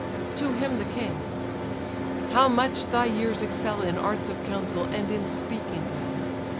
To him the king: "How much thy years excel In arts of counsel, and in speaking well!